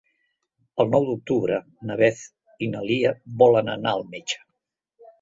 El nou d'octubre na Beth i na Lia volen anar al metge.